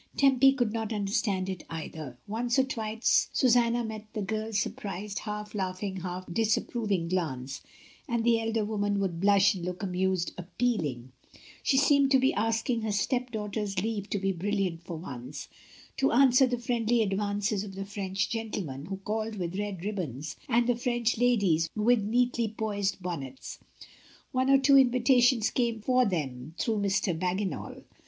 Tempy could not understand it either. Once or twice Susanna met the girl's surprised half laugh ing, half disapproving glance, and the elder woman would blush and look amused, appealing; she seemed to be asking her stepdaughter's leave to be brilliant for once — to answer the friendly advances of the French gentlemen who called with red rib bons, and the French ladies with neatly poised bon nets. One or two invitations came for them through Mr. Bagginal.